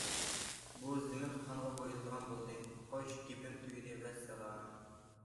بۇ زېمىن قانغا بويىلىدىغان بولدى... خوش، گېپىم تۈگىدى، ۋەسسالام.